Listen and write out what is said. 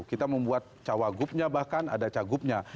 kita membuat cawagupnya bahkan ada cagupnya